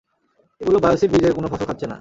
এগুলো বায়োসিন বীজের কোনো ফসল খাচ্ছে না।